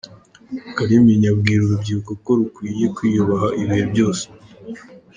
Kalimpinya abwira urubyiruko ko rukwiye kwiyubaha ibihe byose.